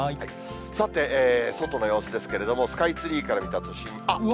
さて、外の様子ですけれども、スカイツリーから見た都心。